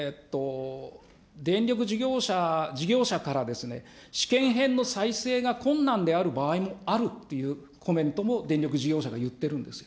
電力事業者から試験片の再生が困難である場合もあるというコメントも、電力事業者が言ってるんですよ。